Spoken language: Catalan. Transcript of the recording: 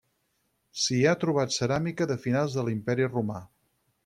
S'hi ha trobat ceràmica de finals de l'Imperi romà.